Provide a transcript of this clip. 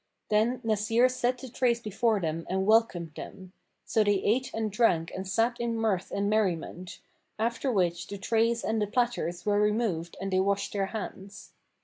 Then Nasir set the trays before them and welcomed them; so they ate and drank and sat in mirth and merriment; after which the trays and the platters were removed and they washed their hands.